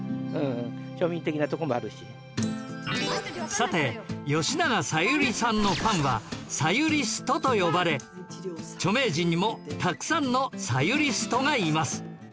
さて吉永小百合さんのファンはサユリストと呼ばれ著名人にもたくさんのサユリストがいます